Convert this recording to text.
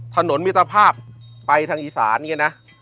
ถนนมิสรภาพไปทางอิษรรณ์เนี่ยนะ